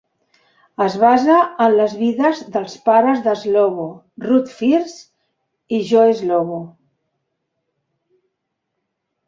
Es basa en les vides dels pares de Slovo, Ruth First i Joe Slovo.